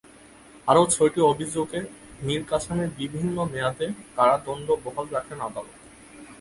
আরও ছয়টি অভিযোগে মীর কাসেমের বিভিন্ন মেয়াদে কারাদণ্ড বহাল রাখেন আদালত।